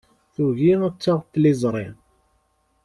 Tugi ad taɣ tliẓri.